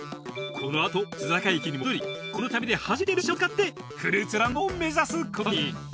このあと須坂駅に戻りこの旅で初めて列車を使ってフルーツランドを目指すことに。